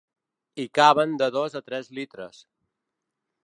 Hi caben de dos a tres litres.